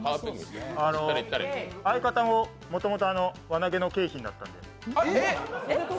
相方ももともと輪投げの景品だったので。